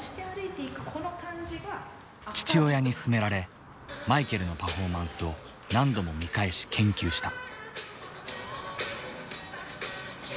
父親に勧められマイケルのパフォーマンスを何度も見返し研究した。